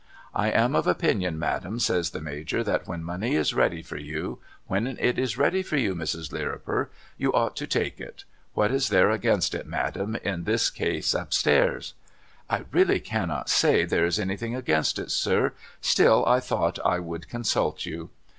' I am of opinion. Madam,' says the ISIajor ' that when money is ready for you — when it is ready for you, INIrs. Lirriper — you ought to take it. What is there against it. Madam, in this case up stairs?' ' I really cannot say there is anything against it sir, still I thought I would consult you.'